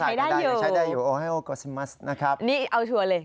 ได้หรือใช้ได้อยู่โอไฮโอโกซิมัสนะครับนี่เอาชัวร์เลย